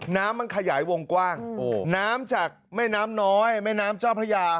น้ำมันขยายวงกว้างน้ำจากแม่น้ำน้อยแม่น้ำเจ้าพระยา